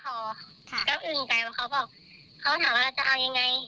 ก็อึ้งใจเขาบอกเขาถามว่าจะเอายังไง